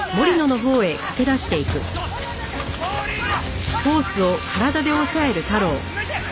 森野！